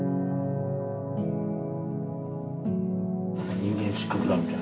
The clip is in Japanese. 人間失格だみたいな。